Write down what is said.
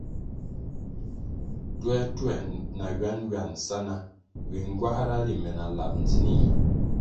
Ntuer-ntuer na nwan-nwan sa ná ywe ngywáhra ri me na lap ndzinih.